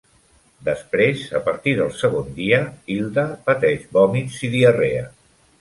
Després, a partir del segon dia, Hilda pateix vòmits i diarrea.